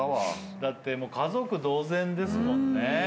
だって家族同然ですもんね。